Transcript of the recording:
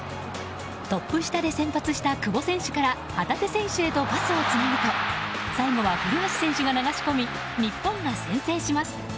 トップ下で先発した久保選手から旗手選手へとパスをつなぐと最後は古橋選手が流し込み日本が先制します。